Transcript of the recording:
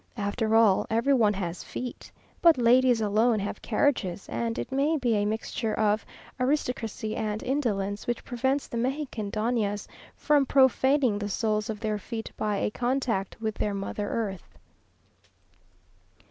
After all, every one has feet, but ladies alone have carriages, and it may be a mixture of aristocracy and indolence which prevents the Mexican Doñas from profaning the soles of their feet by a contact with their mother earth.